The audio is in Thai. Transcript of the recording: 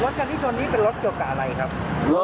กันที่ชนนี้เป็นรถเกี่ยวกับอะไรครับ